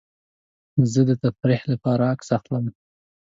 زه د تفریح لپاره عکس اخلم.